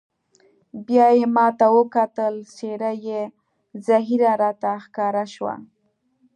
بیا یې ما ته وکتل، څېره یې زهېره راته ښکاره شوه.